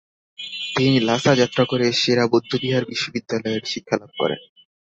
তিনি লাসা যাত্রা করে সে-রা বৌদ্ধবিহার বিশ্ববিদ্যালয়ে শিক্ষালাভ করেন।